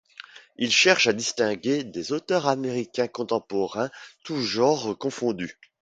Il cherche à distinguer des auteurs américains contemporains tous genres confondus.